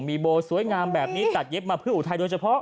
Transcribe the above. มีโบสวยงามแบบนี้ตัดเย็บมาเพื่ออุทัยโดยเฉพาะ